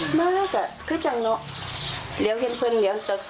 เหนือก็ที่จังเวลาเห็นเพื่อนเหยียวจะถึก